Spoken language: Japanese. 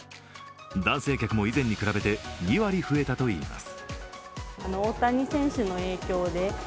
男性客も以前に比べて２割増えたといいます。